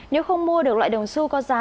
nếu không mua được loại đồng su có giá